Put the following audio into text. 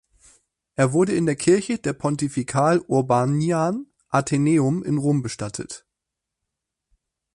Er wurde in der Kirche der Pontifical Urbanian Athenaeum in Rom bestattet.